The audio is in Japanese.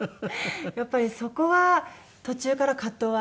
やっぱりそこは途中から葛藤はありましたね。